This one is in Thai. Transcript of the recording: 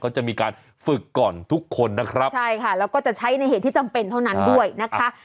เขาจะมีการฝึกก่อนทุกคนนะครับใช่ค่ะแล้วก็จะใช้ในเหตุที่จำเป็นเท่านั้นด้วยนะคะ